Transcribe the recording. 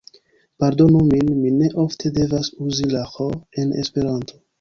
Pardonu min, mi ne ofte devas uzi la ĥ en esperanto.